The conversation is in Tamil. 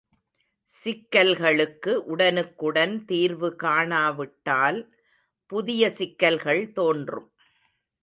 சிக்கல்களுக்கு உடனுக்குடன் தீர்வு கானா விட்டால் புதிய சிக்கல்கள் தோன்றும்.